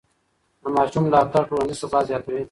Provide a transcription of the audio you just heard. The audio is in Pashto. د ماشوم ملاتړ ټولنیز ثبات زیاتوي.